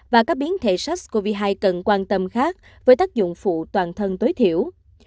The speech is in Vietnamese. và các biến thể sars cov hai cần quan tâm khác với tác dụng phụ toàn thân tối thiểu